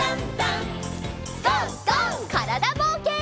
からだぼうけん。